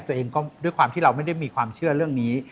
ตัวเองก็ด้วยความที่เราไม่ได้มีความเชื่อเรื่องนี้